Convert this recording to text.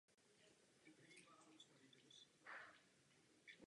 Obsahuje celkem sedm skladeb.